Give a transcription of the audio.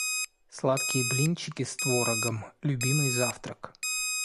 Сладкие блинчики с творогом - любимый завтрак.